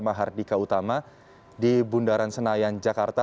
bahar dika utama di bundaran senayan jakarta